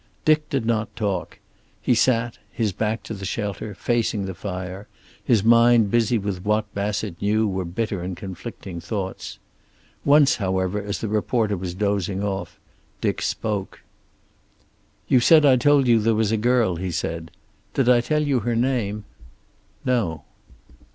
Dick did not talk. He sat, his back to the shelter, facing the fire, his mind busy with what Bassett knew were bitter and conflicting thoughts. Once, however, as the reporter was dozing off, Dick spoke. "You said I told you there was a girl," he said. "Did I tell you her name?" "No."